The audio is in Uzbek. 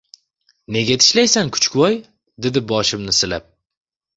Nega tishlaysan, kuchukvoy? — dedi boshimni silab.